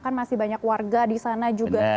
kan masih banyak warga di sana juga